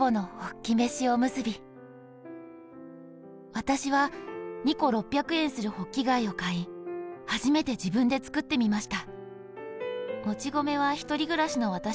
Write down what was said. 「私は２個６００円するホッキ貝を買い、初めて自分で作ってみました」。